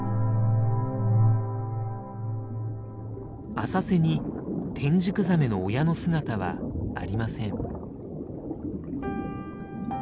浅瀬にテンジクザメの親の姿はありません。